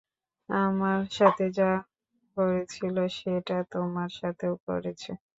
আমার সাথে যা করেছিল, সেটা তোমার সাথেও করেছে।